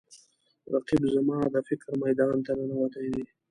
رقیب زما د فکر میدان ته ننوتی دی